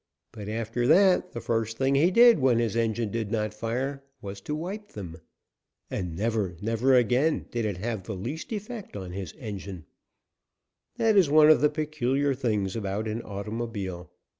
But after that the first thing he did when his engine did not fire was to wipe them. And never, never again did it have the least effect on the engine. That is one of the peculiar things about an automobile.